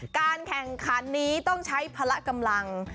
การแข่งขันนี้ต้องใช้พละกำลัง